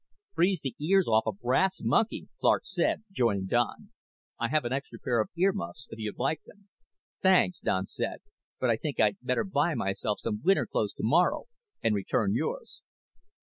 "Freeze the ears off a brass monkey," Clark said, joining Don. "I have an extra pair of earmuffs if you'd like them." "Thanks," Don said, "but I think I'd better buy myself some winter clothes tomorrow and return yours."